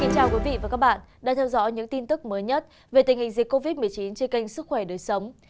chào các bạn đã theo dõi những tin tức mới nhất về tình hình dịch covid một mươi chín trên kênh sức khỏe đời sống